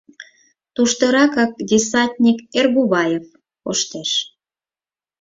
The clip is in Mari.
Туштыракак десятник Эргуваев коштеш.